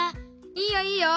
いいよいいよ。